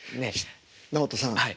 直人さん